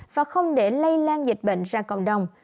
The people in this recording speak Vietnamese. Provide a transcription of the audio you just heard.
và không để lây lan dịch bệnh ra cộng đồng